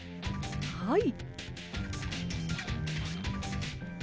はい。